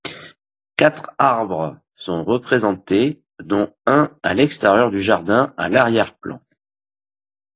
Quatre arbres sont représentés, dont un à l'extérieur du jardin, à l'arrière-plan.